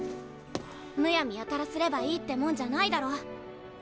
むやみやたらすればいいってもんじゃないだろ。